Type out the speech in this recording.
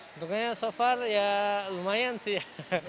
keuntungannya so far ya lumayan sih